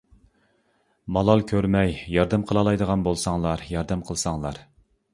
مالال كۆرمەي ياردەم قىلالايدىغانلار بولساڭلار ياردەم قىلساڭلار.